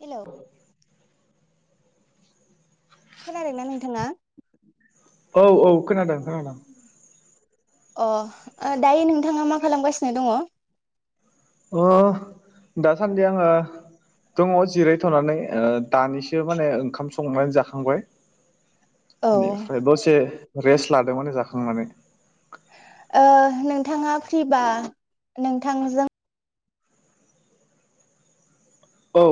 हेल' [unintelligible] खोनादों ना नोंथाङा? औ औ खोनादों खोनादों। अ दायो नोंथाङा मा खालामगासिनो दङ? अ दासान्दि आङो दङ जिरायथ'नानै ओ दानिसो माने ओंखाम संनानै जाखांबाय। बेनिफ्राय दसे रेस्ट लादोंमोन जाखांनानै। ओ नोंथाङा फ्रिबा नोंथांजों औ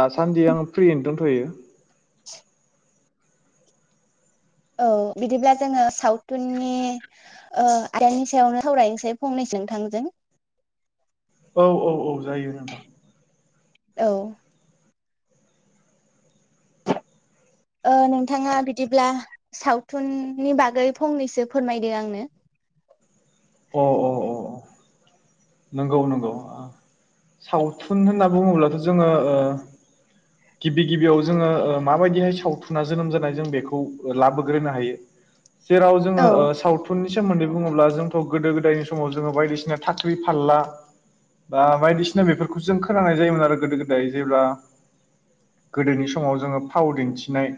दासान्दि आं फ्रियैनो दोनथ'यो। औ बिदिब्ला जोङो सावथुननि आदानि सायावनो सावरायनोसै फंनैसो नोंथांजों। औ औ औ जायो नोंथां। औ। ओ नोंथाङा बिदिब्ला सावथुननि बागै फंनैसो फोरमायदों आंनो। अ अ अ नंगौ नंगौ। सावथुन होनना बुङोब्लाथ' जोङो ओ गिबि गिबियाव जोङो माबायदिहाय सावथुना जोनोम जानाय जों बेखौ लाबोग्रोनो हायो। [inaudible] जेराव जोङो औ ओ सावथुननि सोमोन्दै बुङोब्ला जों गोदो गोदायनि समाव जोङो बायदिसिना थाख्रि फानला बा बायदिसिना बेफोरखौ जों खोनांनाय जायोमोन आरो गोदो गोदाय जेब्ला गोदोनि समाव जोङो फाव दिन्थिनाय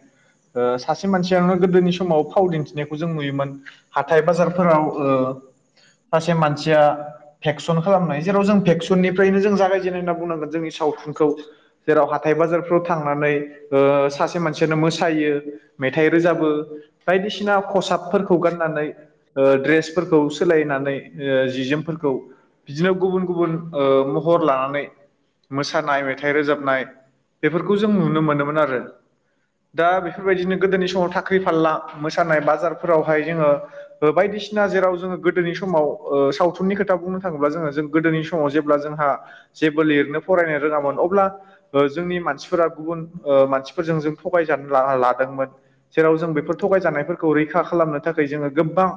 सासे मानसियानो गोदोनि समाव फाव दिन्थिनायखौ जों नुयोमोन। हाथथाय बाजारफोराव ओ सासे मानसिया फेक्सन खालामनाय जेराव जों फेक्सन ननिफ्रायनो जों जागायजेननाय होनना बुंनांगोन जोंनि सावथुनखौ। जेराव हाथाइ बाजारफ्राव थांनानै सासे मानसियानो मोसायो, मेथाइ रोजाबो बायदिसिना खसाबफोरखौ गाननानै ओ द्रेसफोरखौ सोलायनानै जि जोमफोरखौ बिदिनो गुबुन गुबुन महर लानानै मोसानाय मेथाइ रोजाबनाय बेफोरखौ जों नुनो मोनोमोन आरो। दा बेफोरबायदिनो गोदोनि समाव साख्रि फालला मोसानाय बाजारफोरावहाय जोङो बायदिसिना जेराव जोङो गोदोनि समाव सावथुननि खोथा बुंनो थाङोब्ला जोङो जों गोदोनि सम समाव जेब्ला जोंहा जेबो लिरनो फरायनो रोङामोन अब्ला जोंनि मानसिफोरा गुबुन मानसिफोरजों जों थगायजानो जाना लादोंमोन। जेराव जों बेफोर थगायजानायफोरखौ रैखा खालामनो थाखाय जोङो गोबां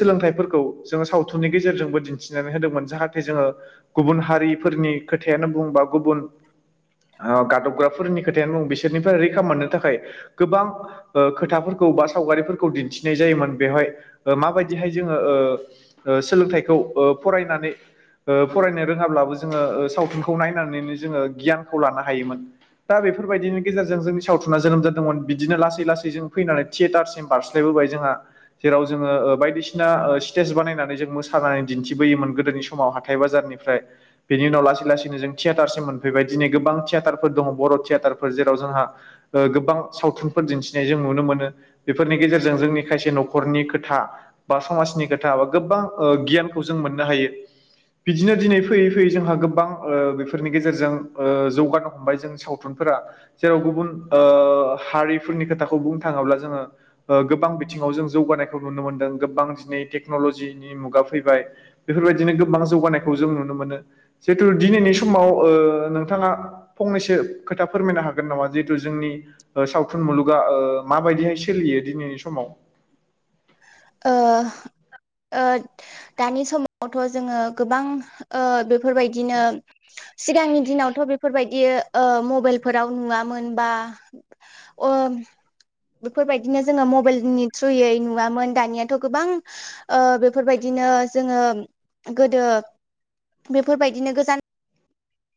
सोलोंथाइफोरखौ जोङो सावथुननि गेजेरजोंबो दिन्थिनानै होदोंमोन, जाहाथे जोङो गुबुन हारिफोरनि खोथायानो बुं बा गुबुन गादबग्राफोरनि खोथायानो बुं बिसोरनिफ्राय रैखा मोननो थाखाय गोबां खोथाफोरखौ बा सावगारिफोरखौ दिन्थिनाय जायोमोन। बेवहाय माबायदिहाय जों ओ सोलोंथाइखौ फरायनानै फरायनो रोङाब्लाबो जोङो सावथुनखौ नायनानैनो जोङो गियानखौ लानो हायोमोन। दा बेफोरबायदिनि गेजेरजों जोंनि सावथुना जोनोम जादोंमोन। बिदिनो लासै लासै जों फैनानै थियेटारसिम बारस्लायबोबाय जोंहा, जेराव जोङो बायदिसिना सिना स्टेज बानायनानै जों मोसानानै दिन्थिबोयोमोन गोदोनि समाव हाथाय बाजारनिफ्राय। बेनि उनाव लासै लासैनो जों थियेटारसिम मोनफैबाय दिनै गोबां थियेटारफोर दङ बर' थियेटारफोर जेराव जोंहा ओ गोबां सावथुनफोर दिन्थिनाय जों नुनो मोनो। बेफोरनि गेजेरजों जोंनि खायसे न'खरनि खोथा बा समाजनि खोथा बा गोबां ओ गियानखौ जों मोननो हायो। बिदिनो दिनै फैयै - फैयै जोंहा गोबां ओ बेफोरनि गेजेरजों ओ जौगानो हमबाय जों साव फोरा जेराव गुबुन हारिफोरनि खोथाखौ बुंनो थाङोब्ला जोङो ओ गोबां बिथिङाव जों जौगानायखौ नुनो मोनदों। गोबां दिनै टेक्न'लजिनि मुगा फैबाय बेफोरबायदिनो गोबां जौगानायखौ जों नुनो मोनो। जिहेथु दिनैनि समाव ओ नोंथाङा फंनैसो खोथा फोरमायनो हागोन नामा‍? जिहेथु जोंनि सावथुन मुलुगा माबायदिहाय सोलियो दिनैनि समाव? ओ दानि समावथ' जोङो गोबां बेफोरबायदिनो सिगांनि दिनावथ' बेफोरबायदि मबाइलफोराव नुवामोन बा बेफोरबायदिनो जोङो मबाइलनि थ्रुयै नुवामोन। दानियाथ' गोबां बेफोरबायदिनो जोङो गोदो बेफोरबायदिनो गोजान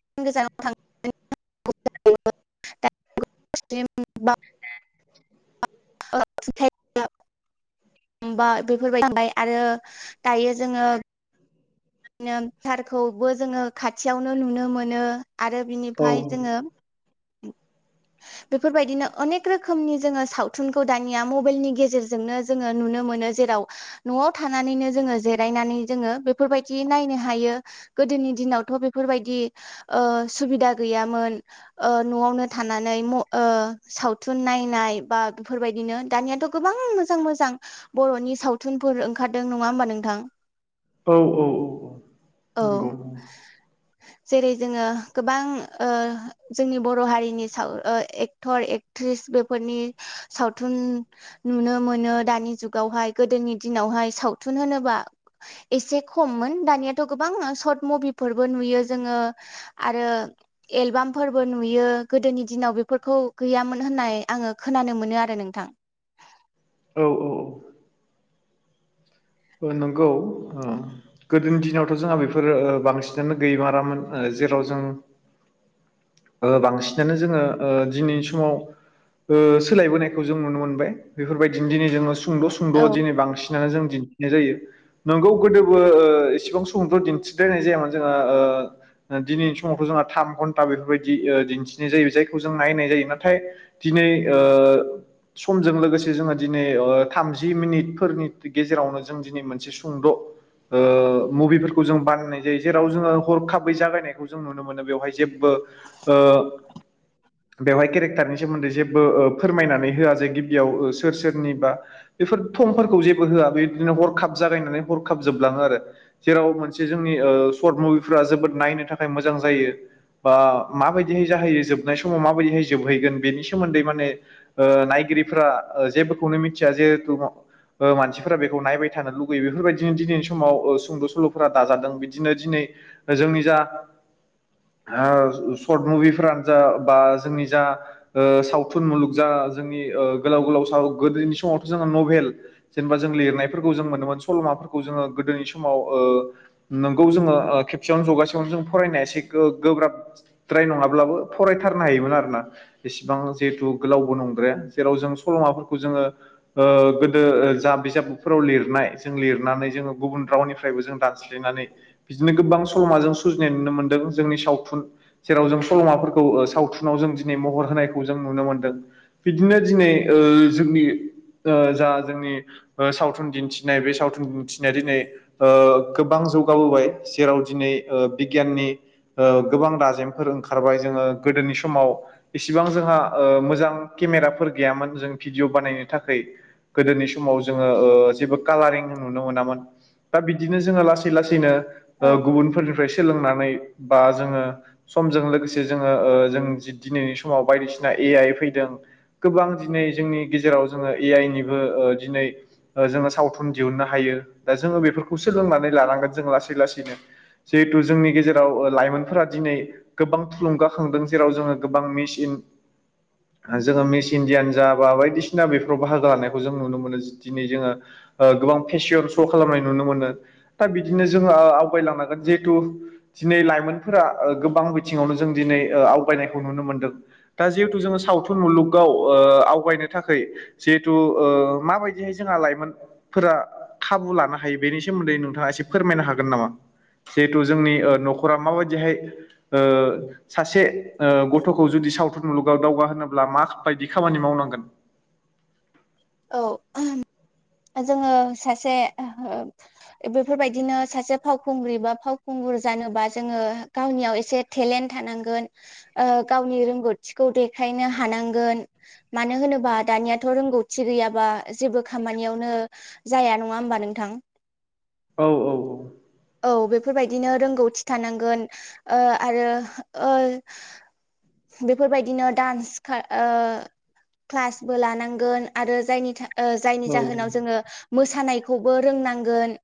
गोजानाव थां [inaudible] दा [inaudible] बा-बा बेफोरबायदि जाबाय आरो दायो जोङो [unintelligible] सारखौबो जोङो खाथियावनो नुनो मोनो। आरो औ बिनिफाय जोङो बेफोरबायदिनो अनेक रोखोमनि जोङो सावथुनखौ दानिया मबाइलनि गेजेरजोंनो जोङो नुनो मोनो जेराव न'आव थानानैनो जोङो जिरायनानै जोङो बेफोरबाय दि नायनो हायो गोदोनि दिनावथ' बेफोरबायदि ओ सुबिदा गैयामोन। ओ न'आवनो थानानै म ओ सावथुन नायनाय बा बेफोरबायदिनो दानियाथ' गोबां मोजां-मोजां बर'नि सावथुनफोर ओंखारदों नङा होमबा नोंथां। औ - औ - औ। औ। नंगौ जेरै जोङो गोबां ओ जोंनि बर' हारिनि साव ओ एक्टर एक ट्रिस बेफोरनि सावथुन नुनो मोनो दानि जुगावहाय गोदोनि दिनावहाय सावथुन होनोबा एसे खममोन दानियाथ' गोबां सट मबिफोरबो नुयो जोङो आरो एलबामफोरबो नुयो गोदोनि दिनाव बेफोरखौ गैयामोन होननाय आङो खोनानो मोनो आरो नोंथां। औ - औ - औ। ओ नंगौ आं। गोदोनि दिनावथ' जोंहा बेफोरो ओ बांसिनानो गैयोमारामोन ओ जेराव जों ओ बांसिनानो जोङो ओ दिनैनि समाव ओ सोलायबोनायखौ जों नुनो मोनबाय। बेफोरबायदिनो दिनै जोङो सुंद'-सुंद' औ दिनै बांसिनानो जों दि नायजायो। नोंगौ गोदोबो ओ इसेबां समावथ' दिन्थिद्रायनाय जायामोन जोङा ओ दिनैनि समावथ' जोंहा थाम घन्टा बेफोरबायदि ओक् दिन्थिनाय जायो जायखौ जों नायनाय जायो नाथाय दिनै ओ समजों लोगोसे जोङो दिनै ओ थामजि मिनिटफोरनि गेजेरावनो जों दिनै मोनसे सुंद' ओ मबिफोरखौ जों बानायनाय जायो जेराव जोङो हरखाबै जागायनायखौ जों नुनो मोनो बेवहाय जेब्बो ओ बेवहाय केरेक्टारनि सोमोन्दै जेबो ओ फोरमायनानै होआ जे गिबियाव ओ सोर सोरनि बा बेफोर थंफोरखौ जेबो होआ बे बिदिनो हरखाब जागायनानै हरखाब जोबलाङो आरो। जेराव मोनसे जोंनि ओ सर्ट मुभिफोरा जोबोद नायनो थाखाय मोजां जायो। बा माबायदिहै जाहैयो जोबनाय समाव माबायदिहाय जोबहैगोन बेनि सोमोन्दै माने ओ नायगिरिफोरा ओ जेबोखौनो मिथिया जिहेथु ओमानसिफोरा बे खौ नायबाय थानो लुुबैयो बेफोरबायदिनो दिनैनि समाव सुंद' सल'फोरा दाजादों बिदिनो दिनै ओ जोंनि जा हा शर्ट मुभिफोरानो जा बा जोंनि जा ओ सावथुन मुलुग जा जोंनि ओ गोलाव गोलाव साव गोदोनि समावथ' जोंहा मभेल जेनेबा जों लिरनायफोरखौ जों मोनोमोन सल'माफोरखौ जोङो गोदोनि समाव ओ नोंगौ जोङो ओ खेबसेयावनो जगासेयावनो जों फरायनाया एसे गो-गोब्राब द्राय नङाब्लाबो फरायथारनो हायोमोन आरोना। इसिबां जिहेतु गोलावबो नंद्राया जेराव जों सल'माफोरखौ जोङो ओ गोदो ओ जा बिजाबफोराव लिरनाय जों लिरनानै जोङो गुबुन रावनिफ्रायबो जों दानस्लायनानै बिदिनो गोबां सल'माजों सुजिनाय नुनो मोन्दों जोंनि सावथुन जेराव जों सल'माफोरखौ ओ सावथुनाव जों दिनै महर होनायखौ जों नुनो मोन्दों। बिदिनो दिनै ओ जोंनि ओ जा जोंनि ओ सावथुन दिन्थिनाय बे सावथुन दिन्थिनाया दिनै ओ गोबां जौगाबोबाय जेराव दिनै ओ बिगियाननि ओ गोबां दाजेमफोर ओंखारबाय जोङो गोदोनि समाव इसिबां जोंहा ओ मोजां केमेराफोर गैयामोन जों भिडिअ' बानायनो थाखाय। गोदोनि समाव जोङो ओ जेबो कालारिं नुनो मोनामोन दा बिदिनो जोङो लासै लासैनो ओ गुबुनफोरनिफ्राय सोलोंनानै बा जोङो समजों लोगोसे जोङो ओ जों जि दिनैनि समाव बायदिसिना ए आइ फैदों। गोबां दिनै जोंनि गेजेराव जोङो ए आइ निबो ओ दिनै ओ जोङो सावथुन दिहुननो हायो दा जोङो बेफोरखौ सोलोंनानै लानांगोन जोङो लासै लासैनो। जिहेथु जोंनि गेजेराव ओ लाइमोनफोरा दिनै गोबां थुलुंगाखांदों जेराव जोङो गोबां मेसिन हा जोङो मिस इण्डियान जाबा बायदिसिना बेफोराव बाहागो लानायखौ जों नुनो मोनो। दिनै जोङो ओ गोबां फेसियर श' खालामनाय नुनो मोनो। दा बिदिनो जोंहा ओ आवगायलांनांगोन जिहेथु दिनै लाइमोनफोरा ओ गोबां बिथिङावनो जों दिनै ओ आवगायनायखौ नुनो मोनदों। दा जिहेतु जोङो सावथुन मुलुगाव ओ आवगायनो थाखायै जिहेथु ओ माबाय दिहै जोंहा लाइमोनफोरा खाबु लानो हायो बेनि सोमोन्दै नोंथाङा एसे फोरमायनो हागोन नामा? जिहेथु जोंनि ओ न'खरा माबायदिहाय ओ सासे ओ गथ'खौ जुदि सावथुन मुलुगाव दावगा होनोनोब्ला माबायदि खामानि मावनांगोन? औ जोङो सासे ओ बेफोरबायदिनो सासे फावखुंग्रि बा फावखुंगुर जानोबा जोङो गावनियाव एसे टेलेन्ट थानांगोन ओ गावनि रोंगौथिखौ देखायनो हानांगोन। मानो होनोबा दानियाथ' रोंगौथि गैयाबा जेबो खामानि नियावनो जाया नङा होमबा नोंथां? औ औ औ बेफोरबायदिनो रोंगौथि थानांगोन। ओ आरो ओ बेफोरबायदिनो डान्स खा ओ क्लासबो लानांगोन आरो जायनि था ओ जायनि औ जाहोनाव जोङो मोसानायखौबो रोंनांगोन।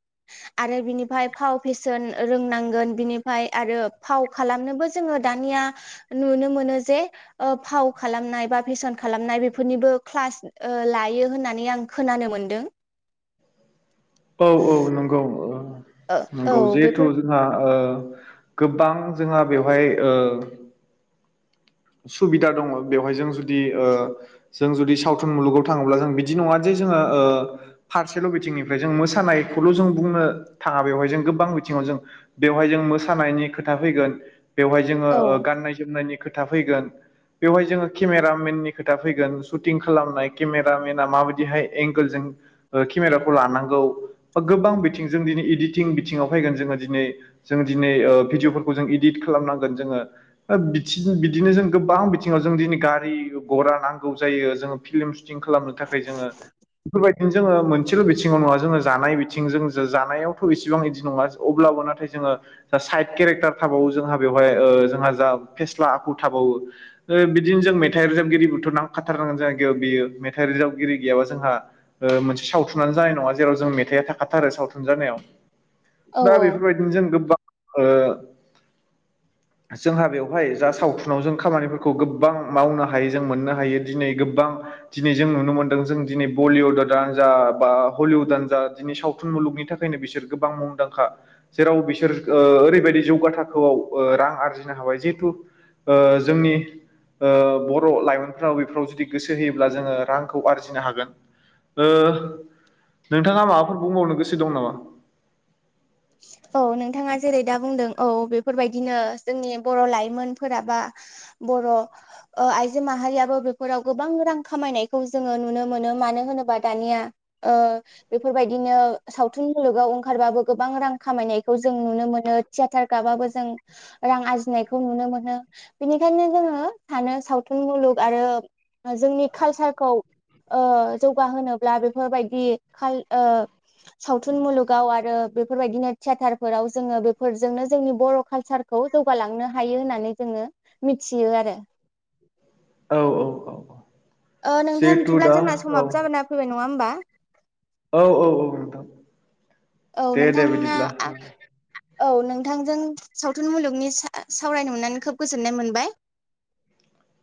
आरो बिनिफ्राय फाव फेसन रोंनांगोन बिनिफ्राय आरो फाव खालामनोबो जोङो दानिया नुनो मोनो जे ओ फाव खालामनाय बा फेसन खालामनाय बेफोरनिबो क्लास ओ लायो होननानै आं खोनानो मोन्दों। औ औ नंगौ औ औ नंगौ जिहेथु। बेफोर जोंहा ओ गोबां जोंहा बेवहाय ओ। सुबिदा दङ बेवहाय जों जुदि ओ। जों जुदि सावथुन मुलुगाव थाङोब्ला जों बिदि नङा जे जोङो ओ। फारसेल' बिथिंनिफ्राय जों मोसानायखौल' जों बुंनो थाङा बेवहाय जों गोबां बिथिङाव जों। बेवहाय जों मोसानायनि खोथा फैगोन बेवहाय जोङो औ ओ गाननाय जोमनायनि खोथा फैगोन। बेवहाय जोङो केमेरामेननि खोथा फैगोन सुटिं खालामनाय केमेरामेना माबायदिहाय एंगोलजों ओ केमेराखौ लानांगौ गोबां बिथिंजों दिनै इडिटिं बिथिङाव फैगोन जोङो दिनै। जों दिनै ओ भिडिअफोरखौ जों इदिट खालामनांगोन जोङो बिथि बिदिनो जों गोबां बिथिङाव जों दिनै गारि घरा नांगौ जायो जोङो फिल्म सु टिं खालामनो थाखाय जोङो बेफोरबायदिनो जोङो मोनसेल' बिथिङाव नङा जोङो जानाय बिथिंजों जानायावथ' इसिबां बिदि नङा अब्लाबो नाथाय जोङो जा साइद केरेक्टार थाबावो जोंहा बेवहाय ओ जोंहा जा फेस्ला आखु थाबावो। ओ बिदिनो जों मेथाइ रोजाबगिरिबोथ' नांखाथारनांगोन जोंहागेयाव बियो मेथाइ रोजाबगिरि गैयाबा जोंहा ओ मोनसे सावथुनानो जानाय नङा जेराव जों मेथाइआ थाखाथारो सावथुन जानायाव। औ दा औ बेफोरबायदिनो जों गोबां ओ जोंहा बेव बेवहाय जा सावथुनाव जों खामानिफोरखौ गोबां मावनो हायो जों मोननो हायो दिनै गोबां दिनै जों नुनो मोनदों जों दिनै बलिउडआनो जा बा हलिउदानो जा दिनै सावथुन मुलुगनि थाखाय। फनो बिसोर गोबां मुंदांखा। जेराव बिसोर ओ ओरैबायदि जौगा थाखोआव ओ रां आरजिनो हाबाय जे ओ जोंनि ओ बर' लाइमोनफ्राव बेफोराव जुदि गोसो होयोब्ला जोङो रांखौ आरजिनो हागोन। ओ नोंथाङा माबाफोर बुंबावनो गोसो दं नामा? [inaudible] औ नोंथाङा जेरै दा बुंदों औ बेफोरबायदिनो जोंनि बर' लाइमोनफोराबा बर' आइजो माहारियाबो बेफोराव गोबां रां खामायनायखौ जोङो नुनो मोनो मानो होनोबा दानिया ओ बेफोरबायदिनो सावथुन मुलुगाव ओंखारबाबो गोबां रां खामायनायखौ जों नुनो मोनो थियेटार गाबाबो जों रां आरजिनायखौ नुनो मोनो बेनिखायनो जोङो सानो सावथुन मुलुग आरो जोंनि कालसारखौ ओ जौगाहोब्ला बेफोरबायदि खाल ओ सावथुन मुलुगाव आरो बेफोरबायदिनो थियाटारफोराव जोङो बेफोरजोंनो जोंनि बर' कालसारखौ जौगालांनो हायो होननानै जोङो मिथियो आरो। औ औ औ औ ओ नोंथां जिहेथु बिदिब्ला दा जोंना समाबो जाना फैबाय नङा होमबा। औ औ औ नोंथां औ दे दे नोंथाङा बिदिब्ला। औ नोंथांजों सावथुन मुलुगनि सा- सावरायनो मोननानै खोब गोजोननाय मोनबाय।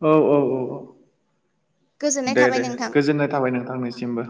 औ औ औ औ गोजोननाय दे दे थाबाय नोंथां गोजोननाय थाबाय नोंथांनिसिमबो।